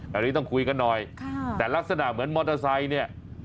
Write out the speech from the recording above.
อันนี้ต้องคุยกันหน่อยแต่ลักษณะเหมือนมอเตอร์ไซค์เนี่ย